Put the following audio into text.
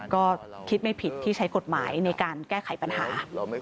ก็คิดไม่ผิดที่ใช้กฎหมายในการแก้ไขปัญหา